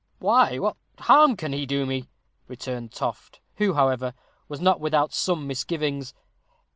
"Why, what harm can he do me?" returned Toft, who, however, was not without some misgivings.